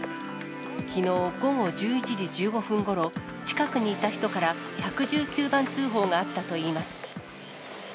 きのう午後１１時１５分ごろ、近くにいた人から１１９番通報があったといいます。